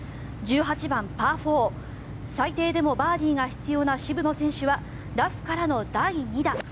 １８番、パー４最低でもバーディーが必要な渋野選手はラフからの第２打。